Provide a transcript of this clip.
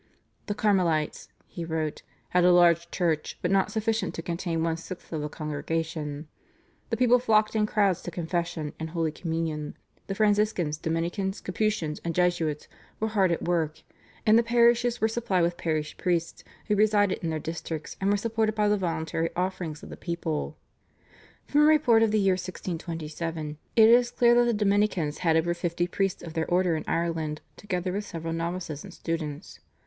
The Carmelites, he wrote, "had a large church, but not sufficient to contain one sixth of the congregation; the people flocked in crowds to Confession, and Holy Communion; the Franciscans, Dominicans, Capuchins, and Jesuits were hard at work; and the parishes were supplied with parish priests who resided in their districts and were supported by the voluntary offerings of the people." From a report of the year 1627, it is clear that the Dominicans had over fifty priests of their Order in Ireland, together with several novices and students.